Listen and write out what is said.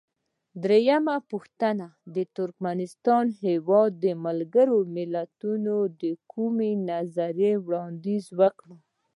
درېمه پوښتنه: د ترکمنستان هیواد ملګرو ملتونو ته د کومې نظریې وړاندیز وکړ؟